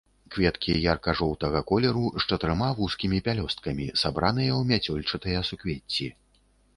Кветкі ярка-жоўтага колеру, з чатырма вузкімі пялёсткамі, сабраныя ў мяцёлчатыя суквецці.